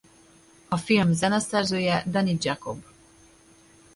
A film zeneszerzője Danny Jacob.